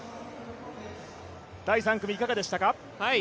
第３組いかがでしたか？